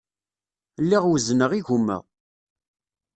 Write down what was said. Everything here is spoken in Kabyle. Lliɣ wezzneɣ igumma.